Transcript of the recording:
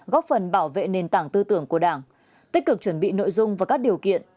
góp phần bảo vệ nền tảng tư tưởng của đảng tích cực chuẩn bị nội dung và các điều kiện